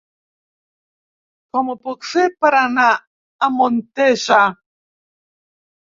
Com ho puc fer per anar a Montesa?